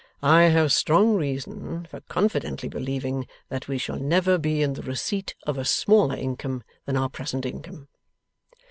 I have strong reason for confidently believing that we shall never be in the receipt of a smaller income than our present income.